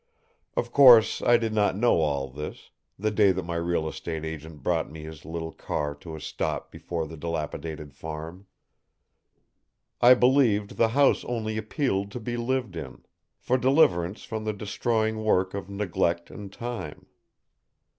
Of course, I did not know all this, the day that my real estate agent brought his little car to a stop before the dilapidated farm. I believed the house only appealed to be lived in; for deliverance from the destroying work of neglect and time.